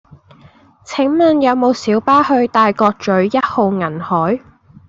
請問有無小巴去大角嘴一號銀海